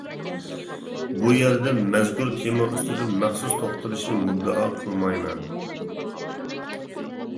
بۇ يەردە مەزكۇر تېما ئۈستىدە مەخسۇس توختىلىشنى مۇددىئا قىلمايمەن.